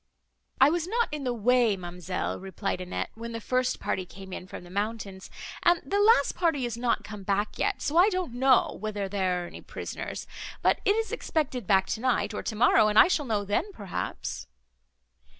"I was not in the way, ma'amselle," replied Annette, "when the first party came in from the mountains, and the last party is not come back yet, so I don't know, whether there are any prisoners; but it is expected back tonight, or tomorrow, and I shall know then, perhaps."